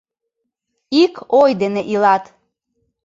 Ик ой дене илат.